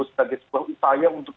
sebagai sebuah upaya untuk